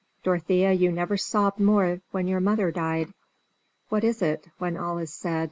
Dorothea, you never sobbed more when your mother died. What is it, when all is said?